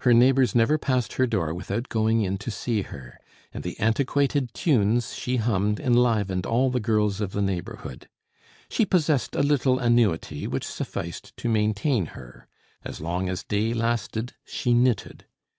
Her neighbors never passed her door without going in to see her, and the antiquated tunes she hummed enlivened all the girls of the neighborhood. She possessed a little annuity which sufficed to maintain her; as long as day lasted, she knitted.